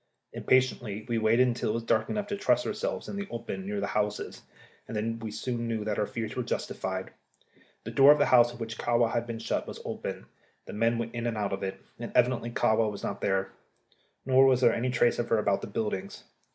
Impatiently we waited until it was dark enough to trust ourselves in the open near the houses, and then we soon knew that our fears were justified. The door of the house in which Kahwa had been shut was open; the men went in and out of it, and evidently Kahwa was not there. Nor was there any trace of her about the buildings.